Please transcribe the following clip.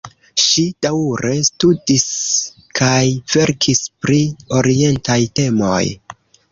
Ŝi daŭre studis kaj verkis pri orientaj temoj.